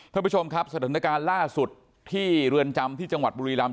ท่านผู้ชมครับสถานการณ์ล่าสุดที่เรือนจำที่จังหวัดบุรีรำ